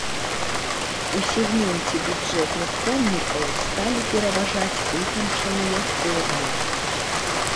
У сегменце бюджэтных помнікаў сталі пераважаць вытанчаныя формы.